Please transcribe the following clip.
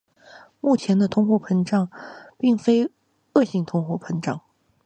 目前的通货膨胀并非恶性通货膨胀。